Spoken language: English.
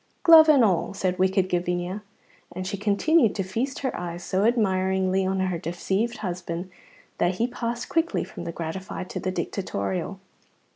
"Glove and all," said wicked Gavinia, and she continued to feast her eyes so admiringly on her deceived husband that he passed quickly from the gratified to the dictatorial.